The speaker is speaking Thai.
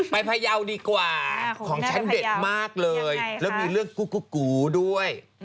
พยาวดีกว่าของฉันเด็ดมากเลยแล้วมีเรื่องกุ๊กด้วย